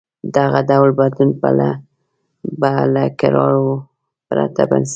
دغه ډول بدلون به له کړاو پرته پېښېږي.